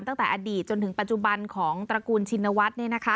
ตั้งแต่อดีตจนถึงปัจจุบันของตระกูลชินวัฒน์